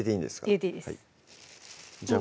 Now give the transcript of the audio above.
入れていいですじゃあ